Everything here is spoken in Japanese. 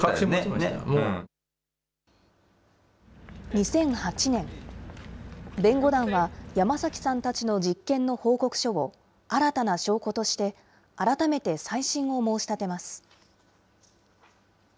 ２００８年、弁護団は山崎さんたちの実験の報告書を新たな証拠として、改めて再審を申し立てます。